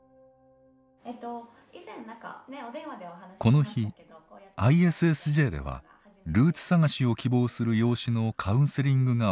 この日ＩＳＳＪではルーツ探しを希望する養子のカウンセリングが行われました。